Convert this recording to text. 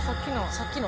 さっきの」